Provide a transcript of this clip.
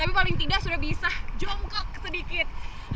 tapi paling tidak sudah bisa jongkok sedikit